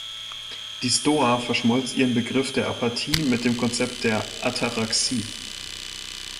Die Stoa verschmolz ihren Begriff der Apathie mit dem Konzept der "Ataraxie".